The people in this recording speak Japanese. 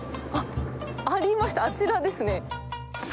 あっ、ありました、あちらですね。